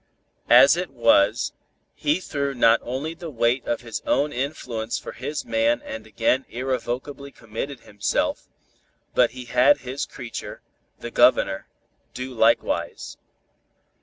As it was, he threw not only the weight of his own influence for his man and again irrevocably committed himself, but he had his creature, the Governor, do likewise.